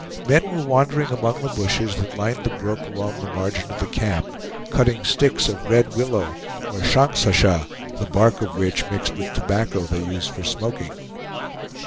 Men were wandering among the bushes that lined the brook along the margin of the camp, cutting sticks of red willow, or shongsasha, the bark of which, mixed with tobacco, they use for smoking.